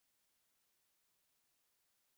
首段婚姻并无任何子女。